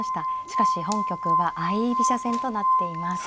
しかし本局は相居飛車戦となっています。